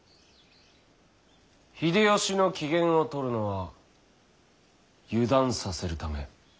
秀吉の機嫌をとるのは油断させるため。